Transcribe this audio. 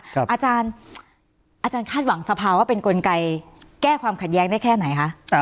ครับอาจารย์อาจารย์คาดหวังสภาวะเป็นกลไกล้แก้ความขัดแยกได้แค่ไหนคะ